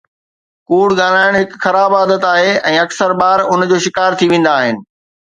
ڪوڙ ڳالهائڻ هڪ خراب عادت آهي ۽ اڪثر ٻار ان جو شڪار ٿي ويندا آهن